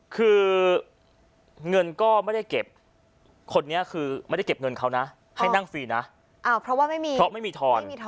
คือเงินก็ไม่ได้เก็บเขาน่ะให้นั่งฟรีนะเพราะไม่มีทอน